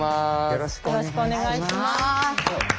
よろしくお願いします。